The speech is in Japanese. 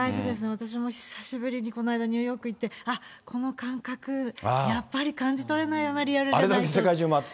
私も久しぶりにこの間ニューヨークへ行って、あっ、この感覚、やっぱり感じ取れないよな、リアルじゃないとって。